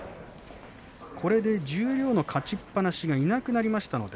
これで十両の勝ちっぱなしはいなくなりました。